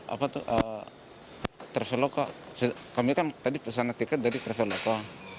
apa tuh traveloka kami kan tadi pesan tiket dari traveloka